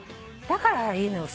だからいいのよ。